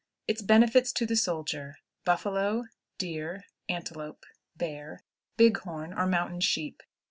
Its Benefits to the Soldier. Buffalo. Deer. Antelope. Bear. Big horn, or Mountain Sheep.